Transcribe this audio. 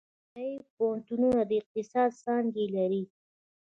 چینايي پوهنتونونه د اقتصاد څانګې لري.